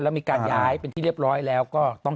แล้วมีการย้ายเป็นที่เรียบร้อยแล้วก็ต้อง